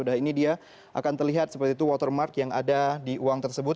dan ini dia akan terlihat seperti itu watermark yang ada di uang tersebut